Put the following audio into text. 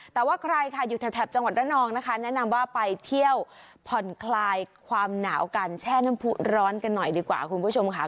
แต่ว่าใครค่ะอยู่แถบจังหวัดระนองนะคะแนะนำว่าไปเที่ยวผ่อนคลายความหนาวกันแช่น้ำผู้ร้อนกันหน่อยดีกว่าคุณผู้ชมค่ะ